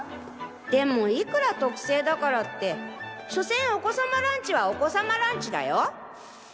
でもいくら特製だからって所詮お子さまランチはお子さまランチだよ。